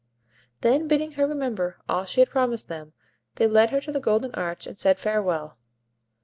Then, bidding her remember all she had promised them, they led her to the golden arch, and said farewell.